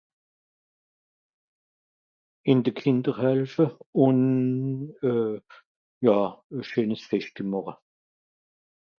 in de Kìnder helfe un euh ja, e scheenes Feschtel màche